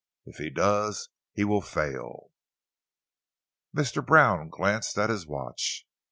If he does, he will fail." Mr. Brown glanced at his watch.